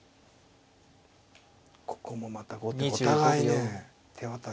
ここもまた後手お互いね手渡しじゃない。